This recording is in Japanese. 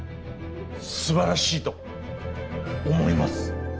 すばらしいと思います。